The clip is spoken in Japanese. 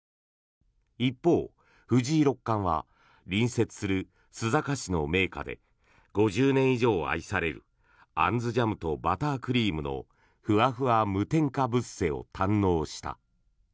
一方、藤井六冠は隣接する須坂市の銘菓で５０年以上愛されるアンズジャムとバタークリームのふわふわ無添加ブッセを堪能した。